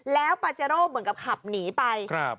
แล้วปาเจโร่เหมือนกับขับหนีไป